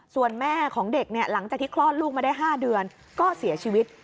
ส่วนแม่ของเด็กเนี่ยหลังจากที่คลอดลูกมาได้๕เดือนก็เสียชีวิต